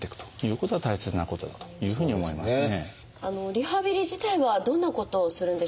リハビリ自体はどんなことをするんでしょうか？